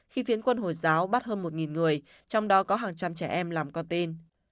khi phiến quân hồi giáo bắt hơn một người trong đó có hàng trăm trẻ em làm con tin